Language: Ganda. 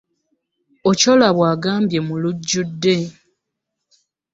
Ochola bw'agambye mu lujjudde .